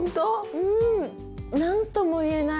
うん！何とも言えない。